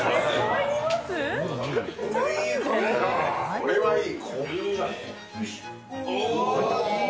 これはいい。